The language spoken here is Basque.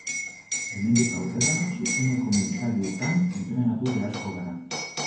Hemendik aurrera zuzeneko mintzaldietan entrenatu beharko gara.